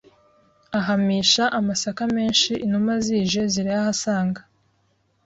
ahamisha amasaka menshi Inuma zije zirayahasanga